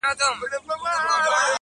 • یوې لمبې به سوځولی یمه -